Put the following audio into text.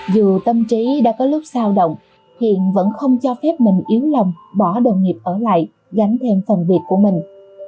dù tâm trí đã có lúc sao động hiện vẫn không cho phép mình yếu lòng bỏ đồng nghiệp ở lại gánh thêm phần việc của mình